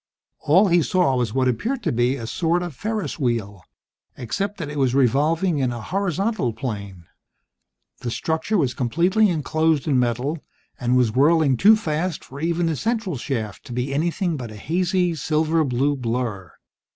All he saw was what appeared to be a sort of ferris wheel, except that it was revolving in a horizontal plane. The structure was completely enclosed in metal, and was whirling too fast for even the central shaft to be anything but a hazy, silver blue blur.